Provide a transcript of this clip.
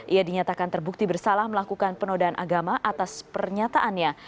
ia dinyatakan terbukti bersalah melakukan penodaan agama atas pernyataannya